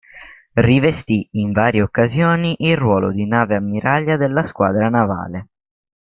Rivestì in varie occasioni il ruolo di nave ammiraglia della Squadra Navale.